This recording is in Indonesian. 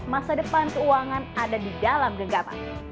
masa depan keuangan ada di dalam genggaman